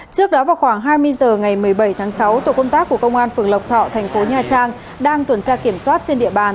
trước đó vào khoảng hai mươi h ngày một mươi bảy tháng sáu tổ công tác của công an phường lộc thọ thành phố nha trang đang tuần tra kiểm soát trên địa bàn